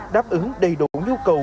đáp ứng đầy đủ nhu cầu